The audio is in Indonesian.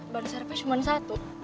ban serepnya cuma satu